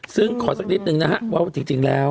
ซึ่งขอสักนิดนึงนะฮะว่าจริงแล้ว